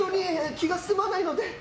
気が済まないので。